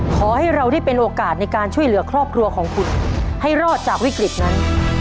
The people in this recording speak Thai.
ขอให้เราได้เป็นโอกาสในการช่วยเหลือครอบครัวของคุณให้รอดจากวิกฤตนั้น